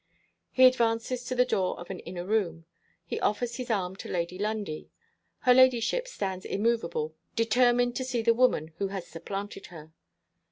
He advances to the door of an inner room. He offers his arm to Lady Lundie. Her ladyship stands immovable; determined to see the woman who has supplanted her.